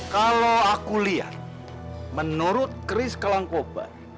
kalau aku lihat menurut kris kelangkobar